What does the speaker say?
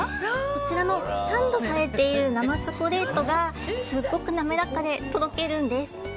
こちらのサンドされている生チョコレートがすごく滑らかでとろけるんです。